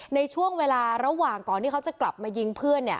ในช่วงเวลาระหว่างก่อนที่เขาจะกลับมายิงเพื่อน